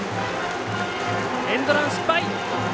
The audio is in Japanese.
エンドラン失敗。